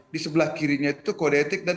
di sebelah kirinya itu kode etik dan